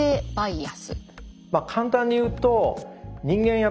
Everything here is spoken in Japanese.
まあ簡単に言うと人間